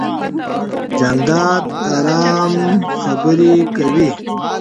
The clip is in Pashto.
جانداد د ارام خبرې کوي.